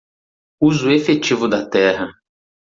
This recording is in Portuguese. Uso efetivo da terra